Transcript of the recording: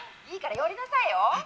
「いいから寄りなさいよ。